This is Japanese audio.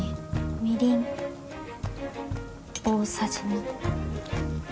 みりん大さじ２。